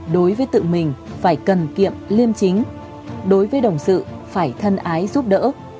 đối với tự mình phải cần kiệm liêm chính đối với đồng sự phải thân ái giúp đỡ